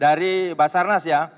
dari basarnas ya